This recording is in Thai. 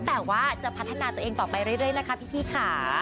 แต่ว่าจะพัฒนาตัวเองต่อไปเรื่อยนะคะพี่ค่ะ